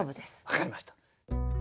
分かりました。